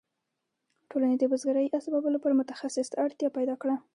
ټولنې د بزګرۍ اسبابو لپاره متخصص ته اړتیا پیدا کړه.